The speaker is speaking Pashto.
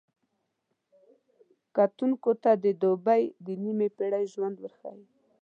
کتونکو ته د دوبۍ د نیمې پېړۍ ژوند ورښيي.